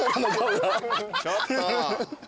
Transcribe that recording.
ちょっと。